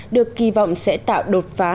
được kỳ vọng sẽ tạo đột phá